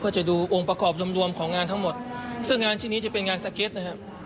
เพื่อจะดูองค์ประกอบรวมรวมของงานทั้งหมดซึ่งงานชิ้นนี้จะเป็นงานสเก็ตนะครับ